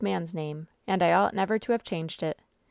man's name, and I ought never to have changed it.